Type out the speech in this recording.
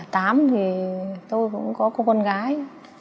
thì tôi cũng có con gái